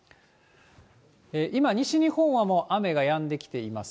今、西日本はもう雨がやんできています。